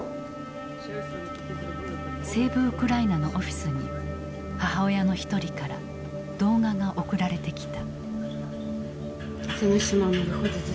セーブ・ウクライナのオフィスに母親の一人から動画が送られてきた。